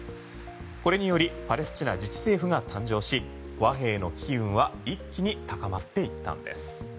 これによりパレスチナ自治政府が誕生し和平の機運は一気に高まっていったんです。